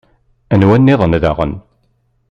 Anwa nniḍen daɣen?